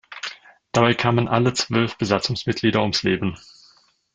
Dabei kamen alle zwölf Besatzungsmitglieder ums Leben.